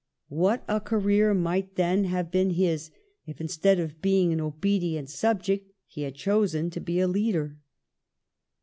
What a career might then have been his if, instead of being an obedient subject, he had chosen to be a leader